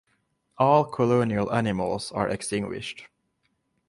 All colonial animals are extinguished.